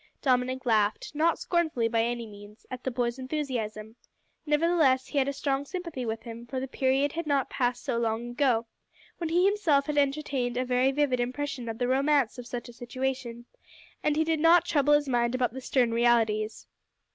Dominick laughed (not scornfully, by any means) at the boy's enthusiasm; nevertheless he had strong sympathy with him, for the period had not passed so long ago when he himself entertained a very vivid impression of the romance of such a situation, and he did not trouble his mind about the stern realities.